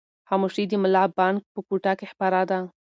خاموشي د ملا بانګ په کوټه کې خپره ده.